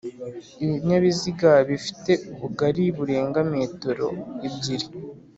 Ibinyabiziga bifite ubugari burenga metero ebyiri